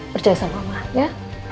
percayakan mama ya